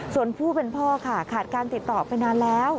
ส่วนผู้เป็นพ่อค่ะขาดการติดต่อไปนานแล้ว